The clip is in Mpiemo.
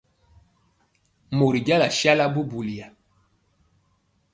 Mori jala sala bubuliya.